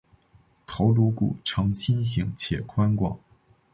头颅骨呈心型且宽广。